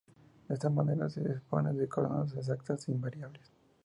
De esta manera se dispone de coordenadas exactas e invariables.